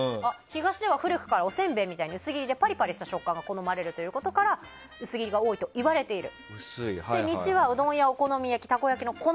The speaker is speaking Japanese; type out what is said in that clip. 東では古くからおせんべいみたいに薄切りでパリパリした食感が好まれるということから薄切りが多いといわれている。